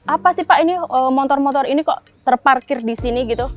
apa sih pak ini motor motor ini kok terparkir di sini gitu